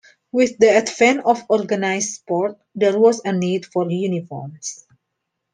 With the advent of organized sports, there was a need for uniforms.